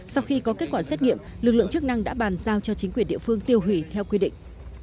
sau khi có kết quả xét nghiệm lực lượng chức năng đã bàn giao cho chính quyền địa phương tiêu hủy theo quy định